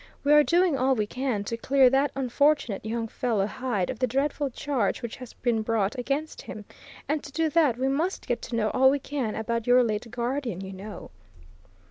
We are doing all we can to clear that unfortunate young fellow Hyde of the dreadful charge which has been brought against him, and to do that we must get to know all we can about your late guardian, you know."